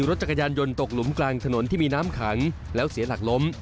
รถจักรยานยนต์ตกหลุมกลางถนนที่มีน้ำขังแล้วเสียหลักล้ม